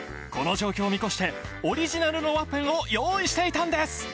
この状況を見越してオリジナルのワッペンを用意していたんです